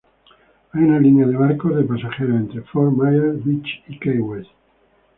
Hay una línea de barcos de pasajeros entre Fort Myers Beach y Key West.